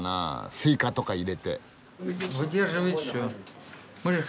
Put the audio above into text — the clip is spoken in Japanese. スイカとか入れて。